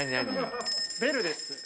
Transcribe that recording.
ベルです。